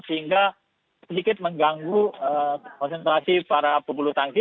sehingga sedikit mengganggu konsentrasi para pembuluh tangkis